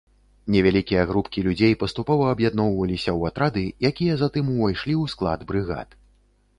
Невялікія групкі людзей паступова аб'ядноўваліся ў атрады, якія затым увайшлі ў склад брыгад.